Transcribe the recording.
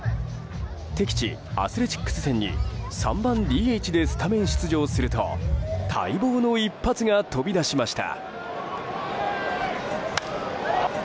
敵地アスレチックス戦に３番ＤＨでスタメン出場すると待望の一発が飛び出しました。